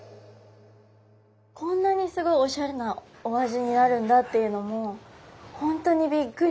こんなにすごいオシャレなお味になるんだっていうのも本当にビックリ。